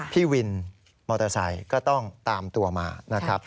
พี่วินมอเตอร์ไซค์ก็ต้องตามตัวมานะครับ